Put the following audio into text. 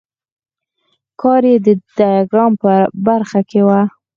کار یې د ډیاګرامونو په برخه کې و.